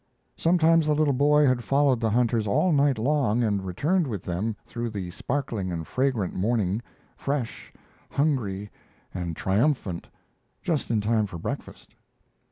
Sometimes the little boy had followed the hunters all night long and returned with them through the sparkling and fragrant morning fresh, hungry, and triumphant just in time for breakfast.